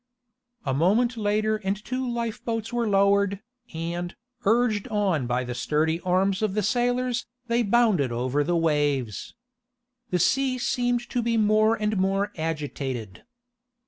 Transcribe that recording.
A moment later and two lifeboats were lowered, and, urged on by the sturdy arms of the sailors, they bounded over the waves. The sea seemed to be more and more agitated.